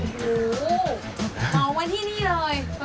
อู้วอ๋อมาที่นี่เลย